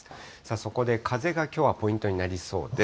そこで風がきょうはポイントになりそうです。